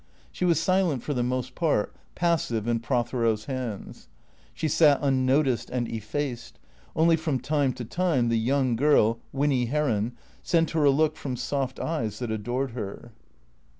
She was silent for the most part, passive in Prothero's hands. She sat unnoticed and effaced; only from time to time the young girl, Winny Heron, sent her a look from soft eyes that adored her.